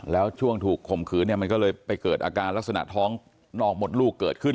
แล้วช่วงถูกข่มขืนเนี่ยมันก็เลยไปเกิดอาการลักษณะท้องนอกมดลูกเกิดขึ้น